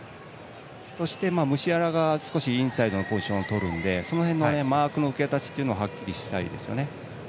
そして、ムシアラが少しインサイドのポジションとるのでその辺のマークの受け渡しをはっきりしたいですね。